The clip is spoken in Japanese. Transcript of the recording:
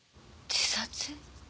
自殺？